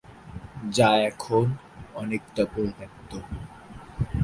যা এখন অনেকটা পরিত্যাক্ত।